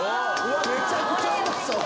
めちゃくちゃうまそう！